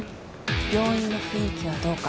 病院の雰囲気はどうか？